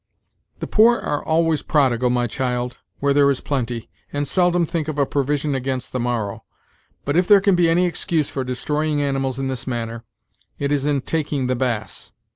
"The poor are always prodigal, my child, where there is plenty, and seldom think of a provision against the morrow. But, if there can be any excuse for destroying animals in this manner, it is in taking the bass.